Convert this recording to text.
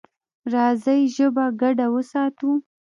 راځئ ژبه ګډه وساتو.